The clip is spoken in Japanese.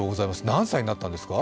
何歳になったんですか？